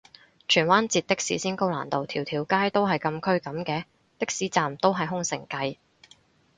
荃灣截的士先高難度，條條街都係禁區噉嘅？的士站都係空城計